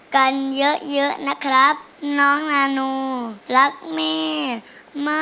คนแรกที่รักครับ